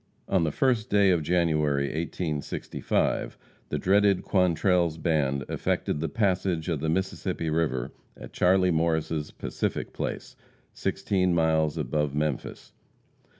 On the first day of January, 1865, the dreaded Quantrell's band effected the passage of the Mississippi river at Charlie Morris' "Pacific Place," sixteen miles above Memphis.